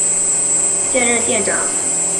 现任店主是鳗屋育美。